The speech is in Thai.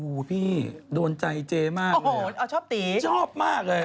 อุ้วพี่โดนใจเจ๊มากเลยนะชอบตี๊บ๊วยบ๊วยชอบมากเลย